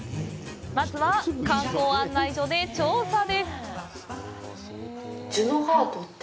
まずは観光案内所で調査！